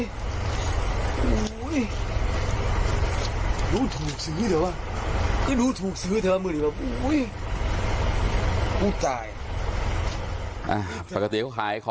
กูหูยครูถูกเสือเธอวะจะหนูถูกเสือเธอวะอุย